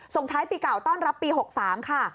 ท้ายปีเก่าต้อนรับปี๖๓ค่ะ